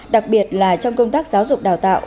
đặc biệt là trong công tác giáo dục đào tạo